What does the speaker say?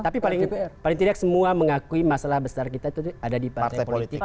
tapi paling tidak semua mengakui masalah besar kita itu ada di partai politik